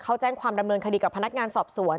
เขาแจ้งความดำเนินคดีกับพนักงานสอบสวน